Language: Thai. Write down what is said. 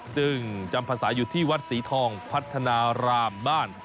ซึ่งจำภาษาอยู่ที่วัดศรีทองพัฒนารามบ้าน